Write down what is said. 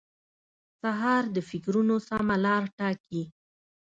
سهار د فکرونو سمه لار ټاکي.